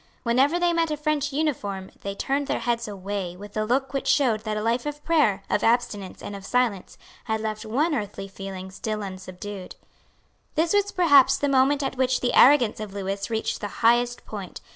Whenever they met a French uniform they turned their heads away with a look which showed that a life of prayer, of abstinence and of silence had left one earthly feeling still unsubdued. This was perhaps the moment at which the arrogance of Lewis reached the highest point.